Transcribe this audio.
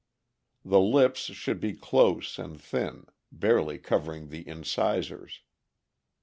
The lips should be close and thin, barely covering the incisors.